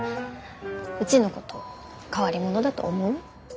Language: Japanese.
うちのこと変わり者だと思う？